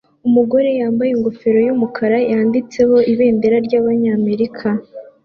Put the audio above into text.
Umugore yambaye ingofero yumukara yanditseho ibendera ryabanyamerika